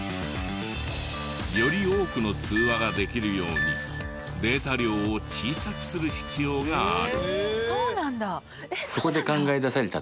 より多くの通話ができるようにデータ量を小さくする必要がある。